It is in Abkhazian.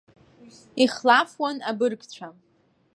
Ихлафуан абыргцәа.